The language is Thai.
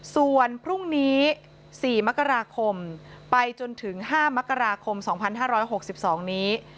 ส่วนพรุ่งนี้๔มกราคมไปจนถึง๕มกราคม๒๕๖๒นี้